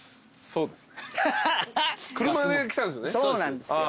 そうなんですよ。